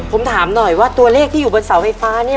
ผมถามหน่อยว่าตัวเลขที่อยู่บนเสาไฟฟ้าเนี่ย